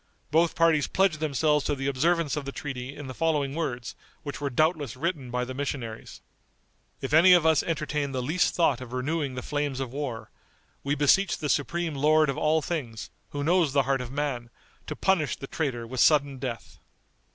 Both parties pledged themselves to the observance of the treaty in the following words, which were doubtless written by the missionaries: "If any of us entertain the least thought of renewing the flames of war, we beseech the supreme Lord of all things, who knows the heart of man, to punish the traitor with sudden death."